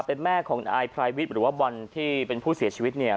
เป็นแม่ของนายพรายวิทย์หรือว่าบอลที่เป็นผู้เสียชีวิตเนี่ย